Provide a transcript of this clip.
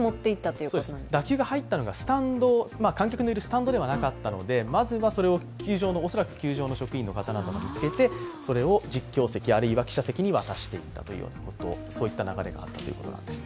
そうです、打球が入ったのが観客のいるスタンドではなかったのでまずはそれを球場の恐らく職員の方が見つけてそれを実況席あるいは記者席に渡していたという流れがあるようです。